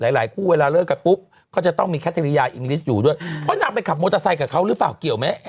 หลายหลายคู่เวลาเลิกกันปุ๊บก็จะต้องมีแคทริยาอิงลิสต์อยู่ด้วยเพราะนางไปขับมอเตอร์ไซค์กับเขาหรือเปล่าเกี่ยวไหม